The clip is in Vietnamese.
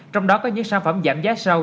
trong đó có những sản phẩm giảm giá sâu